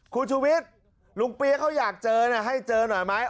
คุณชุวิตลุงเปี๊ยกเขาอยากเจอนะให้เจอหน่อยไหม